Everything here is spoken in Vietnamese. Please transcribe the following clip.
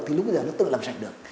thì lúc bây giờ nó tự làm sạch được